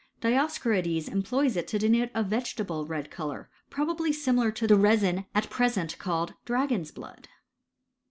Dioscorides employs ' it lo denote a vegetable red colour, probably similar to tlit^ resin at presen. called dragon's blood.